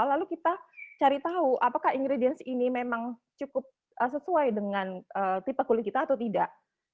lalu kita cari tahu apakah ingredients ini memang cukup sesuai dengan tipe kulit kita atau tidak